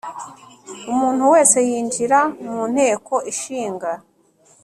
Umuntu wese winjira mu Nteko Ishinga